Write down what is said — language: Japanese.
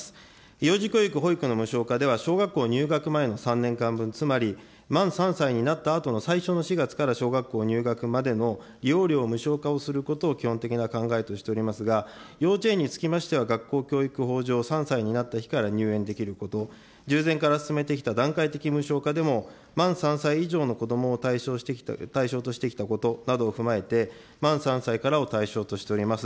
幼児教育、保育の無償化では小学校入学前の３年間分、つまり満３歳になったあとの最初の４月から小学校入学までの利用料無償化をすることを基本的な考えとしておりますが、幼稚園につきましては学校教育法上、３歳になった日から入園できること、従前から進めてきた段階的無償化でも、満３歳以上の子どもを対象としてきたことなどを踏まえて、満３歳からを対象としております。